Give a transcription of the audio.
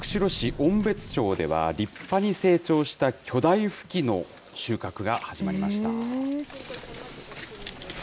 音別町では、立派に成長した巨大フキの収穫が始まりました。